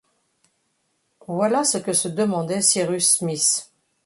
Voilà ce que se demandait Cyrus Smith